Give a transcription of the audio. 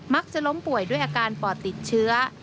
จะล้มป่วยด้วยอาการปอดติดเชื้อ